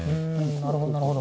なるほどなるほど。